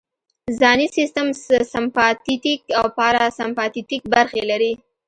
ځانی سیستم سمپاتیتیک او پاراسمپاتیتیک برخې لري